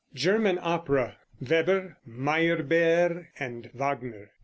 GERMAN OPERA; WEBER, MEYERBEER AND WAGNER.